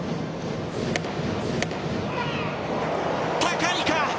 高いか。